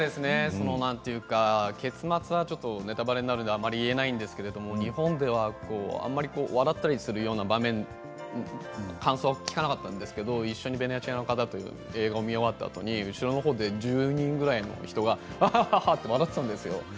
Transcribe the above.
その、なんて言うか結末はネタばれになるのであまり言えないんですけれども日本ではあまり笑ったりするような場面、感想を聞かなかったんですけれども一緒にベネチアの方と映画を見終わったあとに後ろの方で１０人ぐらいの人がアハハハハって笑ってたんですよ。